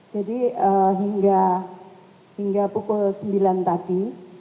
jadi hingga pukul sembilan tadi